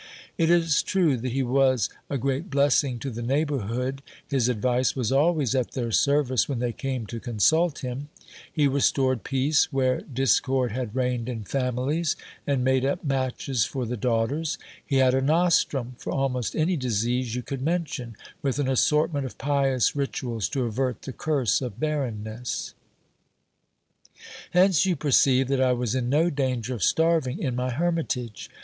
It is true that he was a great blessing to the neighbourhood : his advice was always at their service when they came to consult him : he restored peace where dis cord had reigned in families, and made up matches for the daughters ; he had a nostrum for almost any disease you could mention, with an assortment of pious rituals, to avert the curse of barrenness. Hence you perceive that I was in no danger of starving in my hermitage.